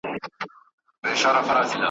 په میندلو د ډوډۍ چي سرګردان سو !.